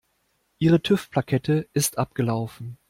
Ihre TÜV-Plakette ist abgelaufen.